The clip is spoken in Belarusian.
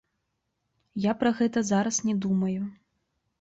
Я пра гэта зараз не думаю.